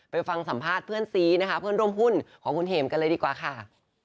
ไปฟังสัมภาษณ์เพื่อนซีนะคะเพื่อนร่วมหุ้นของคุณเห็มกันเลยดีกว่าค่ะ